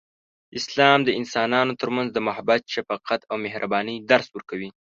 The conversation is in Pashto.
اسلام د انسانانو ترمنځ د محبت، شفقت، او مهربانۍ درس ورکوي.